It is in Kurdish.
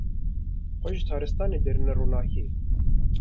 Xwe ji taristanê derîne ronahiyê.